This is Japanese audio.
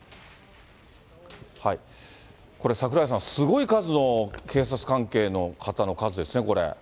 これ、櫻井さん、すごい数の警察関係の方の数ですね、これ。